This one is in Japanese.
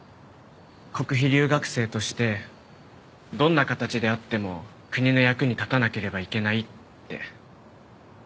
国費留学生としてどんな形であっても国の役に立たなければいけないって。